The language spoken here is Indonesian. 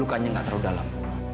lukanya gak terlalu dalam